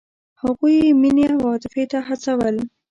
هغوی یې مینې او عاطفې ته هڅول.